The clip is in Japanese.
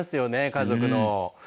家族の。